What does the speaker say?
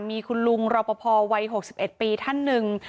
มีคุณลุงรอปภวัย๖๑ปีท่านหนึ่ง